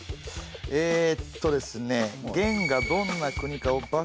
えっとですねあっ！